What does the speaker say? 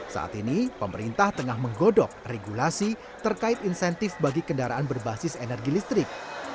saat ini pemerintah tengah menggodok regulasi terkait insentif bagi kendaraan berbasis energi listrik